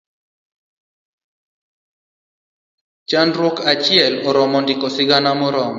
Chandruok achiel oromo ndiko sigana moromo.